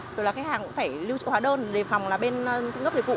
rồi là khách hàng cũng phải lưu trị hóa đơn để phòng là bên ngấp dịch vụ